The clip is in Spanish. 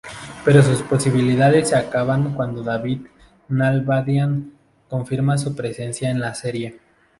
Pero sus posibilidades se acaban cuando David Nalbandian confirma su presencia en la serie.